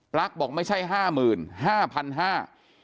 ลั๊กบอกไม่ใช่ห้าหมื่นห้าพันห้า